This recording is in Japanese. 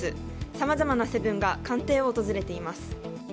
さまざまな「７」が官邸を訪れています。